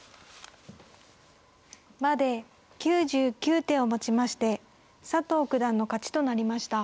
まで９９手をもちまして佐藤九段の勝ちとなりました。